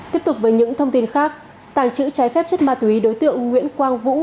tiếp tục với những thông tin khác tàng trữ trái phép chất ma túy đối tượng nguyễn quang vũ